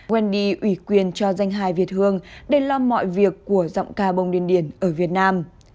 wendy ủy quyền cho danh hài việt hương để lo mọi việc của giọng ca bông điền ở việt nam